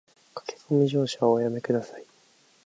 駆け込み乗車はおやめ下さい